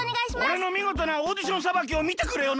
おれのみごとなオーディションさばきをみてくれよな。